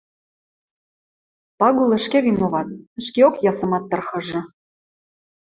Пагул ӹшке виноват, ӹшкеок ясымат тырхыжы.